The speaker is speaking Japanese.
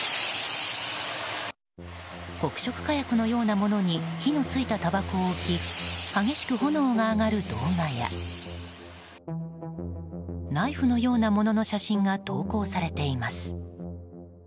黒色火薬のようなものに火のついたたばこを置き激しく炎が上がる動画やナイフのようなものの写真が投稿されています。